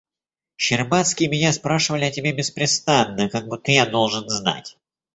Щербацкие меня спрашивали о тебе беспрестанно, как будто я должен знать.